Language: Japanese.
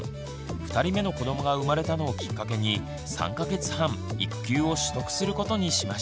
２人目の子どもが生まれたのをきっかけに３か月半育休を取得することにしました。